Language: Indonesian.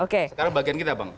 sekarang bagian kita bang